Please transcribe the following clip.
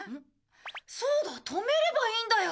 そうだ止めればいいんだよ。